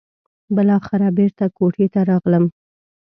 بالاخره بېرته کوټې ته راغلم.